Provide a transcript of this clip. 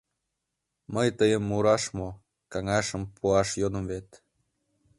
Мый тыйым мураш мо, каҥашым пуаш йодым вет...